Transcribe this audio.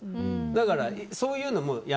だから、そういうのは。